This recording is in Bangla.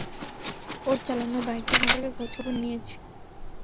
ওর চালানো বাইকটা সম্পর্কে খোঁজখবর নিয়েছি।